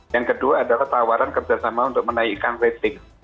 yang kedua adalah tawaran kerjasama untuk menaikkan rating